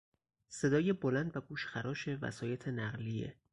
صدای بلند و گوشخراش وسایط نقلیه